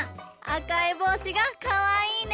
あかいぼうしがかわいいね。